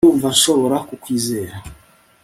ndumva nshobora kukwizera